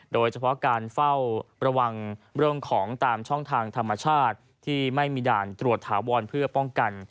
โดยเฉพาะการเฝ้าระวังเรื่องของตามช่องทางธรรมชาติที่ไม่มีด่านตรวจถาวรเพื่อป้องกัน